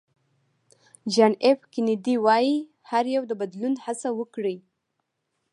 جان اېف کېنیډي وایي هر یو د بدلون هڅه وکړي.